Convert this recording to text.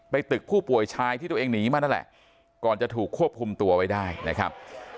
ตึกผู้ป่วยชายที่ตัวเองหนีมานั่นแหละก่อนจะถูกควบคุมตัวไว้ได้นะครับ